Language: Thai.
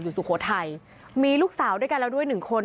สุโขทัยมีลูกสาวด้วยกันแล้วด้วยหนึ่งคน